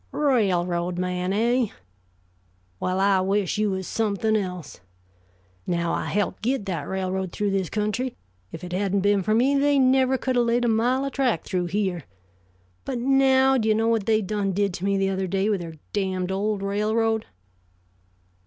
"Railroad man, eh? Well, I wish you was something else. Now, I helped get that railroad through this country if it hadn't been for me, they never could have laid a mile of track through here. But now, do you know what they done did to me the other day, with their damned old railroad?"